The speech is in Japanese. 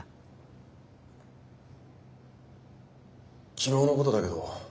昨日のことだけど。